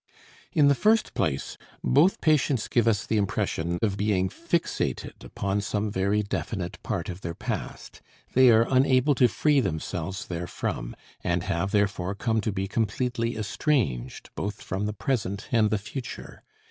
In the first place, both patients give us the impression of being fixated upon some very definite part of their past; they are unable to free themselves therefrom, and have therefore come to be completely estranged both from the present and the future.